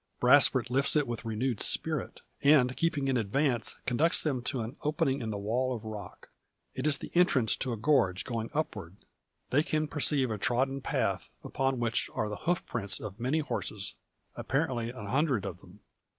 Brasfort lifts it with renewed spirit; and, keeping in advance, conducts them to an opening in the wall of rock. It is the entrance to a gorge going upward. They can perceive a trodden path, upon which are the hoof prints of many horses, apparently an hundred of them.